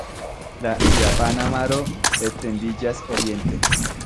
La Japana Maro etendiĝas oriente.